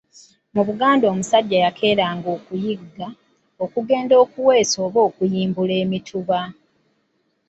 Mu Buganda omusajja yakeeranga okuyigga, okugenda okuweesa oba okuyimbula emituba.